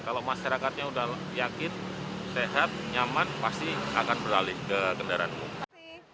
kalau masyarakatnya sudah yakin sehat nyaman pasti akan beralih ke kendaraan umum